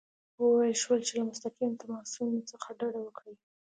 وویل شول چې له مستقیم تماسونو څخه ډډه وکړي.